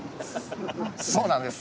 そうなんです。